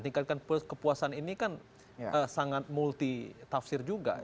tingkatkan kepuasan ini kan sangat multi tafsir juga